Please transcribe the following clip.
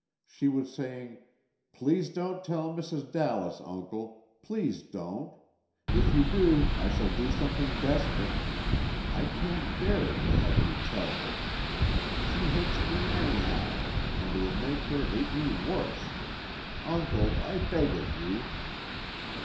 She was saying: 'Please don't tell Mrs. Dallas, uncle, please don't! If you do, I shall do something desperate! I can't bear it to have you tell her! She hates me, anyhow, and it would make her hate me worse! Uncle, I beg of you....